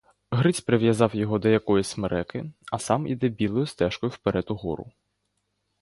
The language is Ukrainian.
Гриць прив'язав його до якоїсь смереки, а сам іде білою стежкою вперед угору.